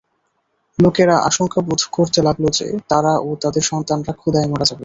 লোকেরা আশঙ্কা বোধ করতে লাগল যে, তারা ও তাদের সন্তানরা ক্ষুধায় মারা যাবে।